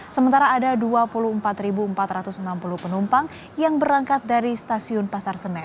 sementara ada dua puluh empat empat ratus enam puluh penumpang yang berangkat dari stasiun pasar senen